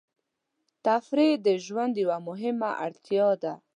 تفریح د ژوند یوه مهمه اړتیا ده.